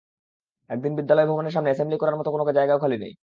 এমনকি বিদ্যালয় ভবনের সামনে অ্যাসেম্বলি করার মতো কোনো জায়গাও খালি নেই।